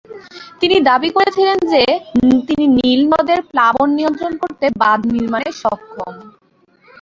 তিনি দাবি করেছিলেন যে তিনি নীল নদের প্লাবন নিয়ন্ত্রণ করতে বাঁধ নির্মাণে সক্ষম।